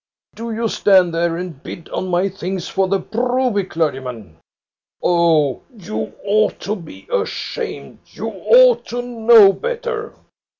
Do you stand there and bid on my things for the Broby clergyman? Oh, you ought to be ashamed ! You ought to know better